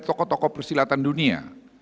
tokoh tokoh persilatan dunia